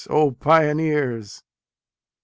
O pioneers !